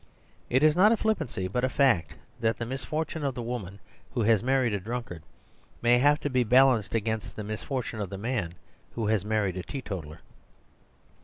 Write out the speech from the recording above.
It is not a flippancy, but a fact, that the mis fortune of the woman who has married a drunkard may have to be balanced against the misfortune of the man who has married a tee totaler.